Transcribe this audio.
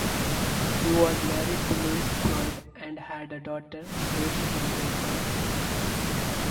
He was married to Louise Floyd and had a daughter, Louise Floyd Wickham.